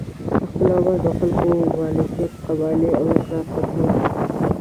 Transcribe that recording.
د خپلو اړونده خلکو د مالکیت قبالې او اقرار خطونه.